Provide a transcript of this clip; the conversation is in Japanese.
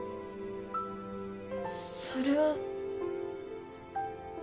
それは。